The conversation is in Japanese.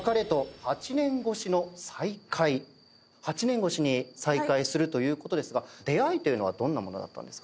８年越しに再会するということですが出会いというのはどんなものだったんですか？